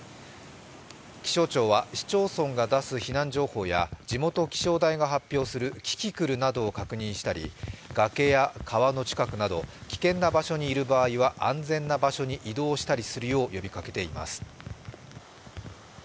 気象庁は、市町村が出す避難情報や地元気象台が発表するキキクルなどを確認したり崖や川の近くなど危険な場所にいる場合は安全な場所に移動したりするよう呼びかけています。